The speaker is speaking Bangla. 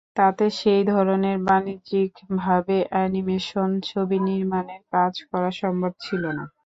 তাতে সেই ধরনে বাণিজ্যিকভাবে অ্যানিমেশন ছবি নির্মাণের কাজ করা সম্ভব ছিল না।